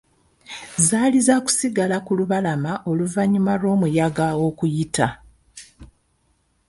Zaali zaakusigala ku lubalama oluvannyuma lw'omuyaga okuyita.